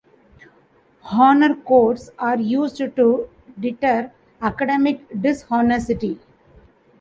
Honor codes are used to deter academic dishonesty.